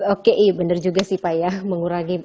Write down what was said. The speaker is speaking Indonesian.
oke iya bener juga sih pak ya mengurangi